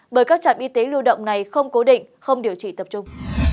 bởi các trạm y tế lưu động này không cố định không điều trị tập trung